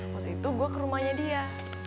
waktu itu gue ke rumahnya dia